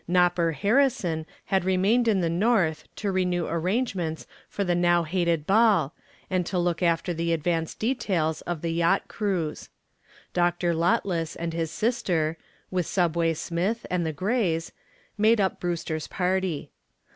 "Nopper" Harrison had remained in the north to renew arrangements for the now hated ball and to look after the advance details of the yacht cruise. Dr. Lotless and his sister, with "Subway" Smith and the Grays, made up Brewster's party.